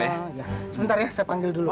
sebentar ya saya panggil dulu